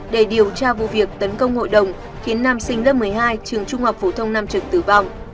để điều tra vụ việc tấn công hội đồng khiến nam sinh lớp một mươi hai trường trung học phổ thông nam trực tử vong